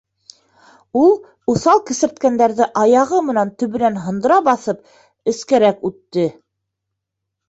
Ул уҫал кесерткәндәрҙе аяғы менән төбөнән һындыра баҫып, эскәрәк үтте.